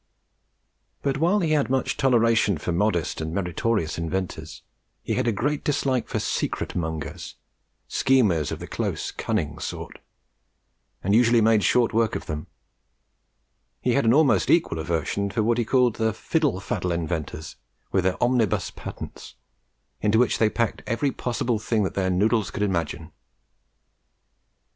But while he had much toleration for modest and meritorious inventors, he had a great dislike for secret mongers, schemers of the close, cunning sort, and usually made short work of them. He had an almost equal aversion for what he called the "fiddle faddle inventors," with their omnibus patents, into which they packed every possible thing that their noddles could imagine.